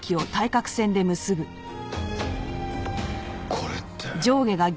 これって。